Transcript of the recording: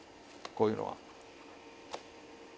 こういうのは。